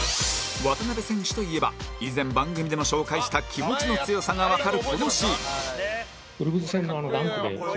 渡邊選手といえば以前番組でも紹介した気持ちの強さがわかるこのシーン